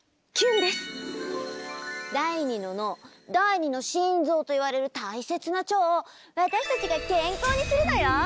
第２の脳第２の心臓といわれる大切な腸を私たちが健康にするのよ！